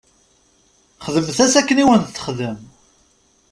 Xdemt-as akken i wen-texdem.